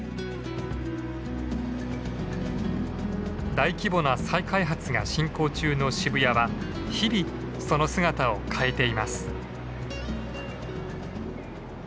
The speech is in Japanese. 大規模な再開発が進行中の渋谷は日々その姿を変えています。